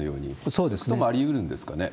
そういうこともありうるんですかね？